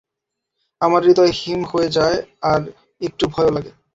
আমার হৃদয় হিম হয়ে যায় আর একটু ভয়ও লাগে।